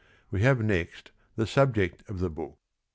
We have next the subject of the book.